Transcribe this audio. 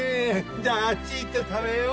じゃああっち行って食べよう。